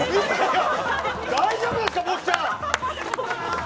大丈夫ですか坊ちゃん。